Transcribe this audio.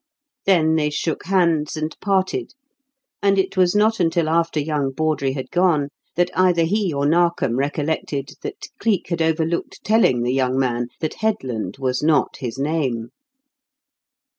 Then they shook hands and parted, and it was not until after young Bawdry had gone that either he or Narkom recollected that Cleek had overlooked telling the young man that Headland was not his name.